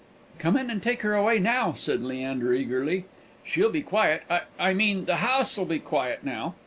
"Come in and take her away now," said Leander, eagerly. "She'll be quiet. I I mean the house'll be quiet now.